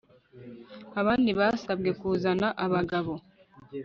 abandi basabwe kuzana abagabo